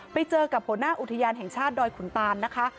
ไปเจอกับหัวหน้าอุทยานแห่งชาติดอยขุนตานนะคะ